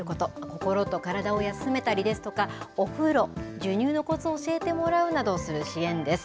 心と体を休めたりですとか、お風呂、授乳のこつを教えてもらうなどする支援です。